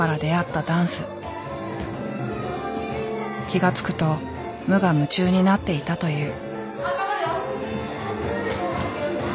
気が付くと無我夢中になっていたという。